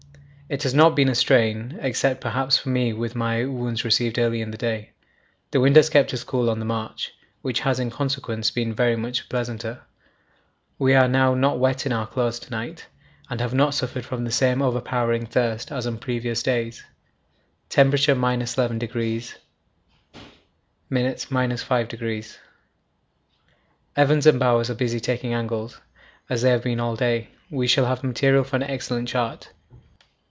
It has not been a strain, except perhaps for me with my wounds received early in the day. The wind has kept us cool on the march, which has in consequence been very much pleasanter; we are not wet in our clothes to night, and have not suffered from the same overpowering thirst as on previous days. (T. 11°.) (Min. 5°.) Evans and Bowers are busy taking angles; as they have been all day, we shall have material for an excellent chart.